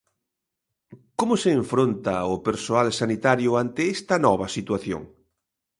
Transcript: Como se enfronta o persoal sanitario ante esta nova situación?